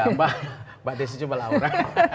mbak desi coba lah aura